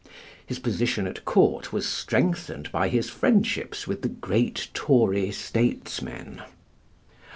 His position at court was strengthened by his friendships with the great Tory statesmen.